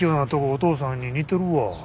お父さんに似てるわ。